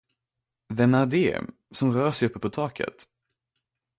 Vem är det, som rör sig uppe på taket?